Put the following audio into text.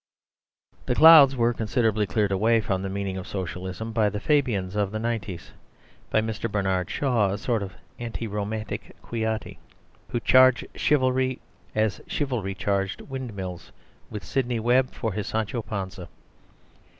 The clouds were considerably cleared away from the meaning of Socialism by the Fabians of the 'nineties; by Mr. Bernard Shaw, a sort of anti romantic Quixote, who charged chivalry as chivalry charged windmills, with Sidney Webb for his Sancho Panza.